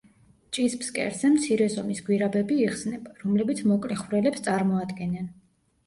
ჭის ფსკერზე მცირე ზომის გვირაბები იხსნება, რომლებიც მოკლე ხვრელებს წარმოადგენენ.